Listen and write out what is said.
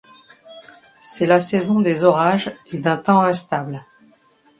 C'est la saison des orages et d'un temps instable.